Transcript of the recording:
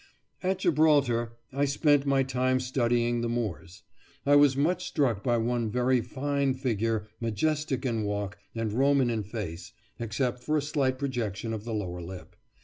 ] At Gibraltar I spent my time studying the Moors. I was much struck by one very fine figure, majestic in walk, and Roman in face, except for a slight projection of the lower lip.